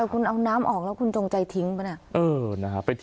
คุณเอาน้ำออกแล้วคุณจงใจทิ้งป่ะเนี่ย